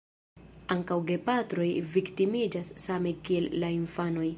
Ankaŭ gepatroj viktimiĝas same kiel la infanoj.